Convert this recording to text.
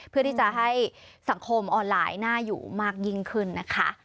เพื่อที่จะให้สังคมออนไลน์น่าอยู่มากยิ่งขึ้นนะคะ